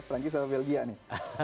perancis atau belgia nih